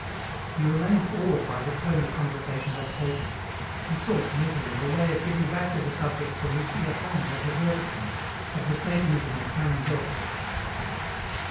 He remained awed by the turn the conversation had taken. He sought, mentally, a way of getting back to the subject from which Hyacinthe had diverted him, of the Satanism of Canon Docre.